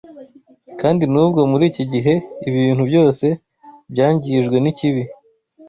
Kandi nubwo muri iki gihe ibintu byose byangijwe n’ikibi